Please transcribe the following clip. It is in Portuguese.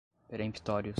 peremptórios